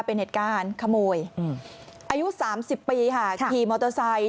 เป็นเหตุการณ์ขโมยอายุ๓๐ปีค่ะขี่มอเตอร์ไซค